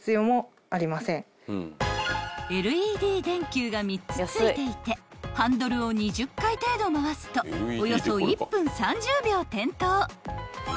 ［ＬＥＤ電球が３つ付いていてハンドルを２０回程度回すとおよそ１分３０秒点灯］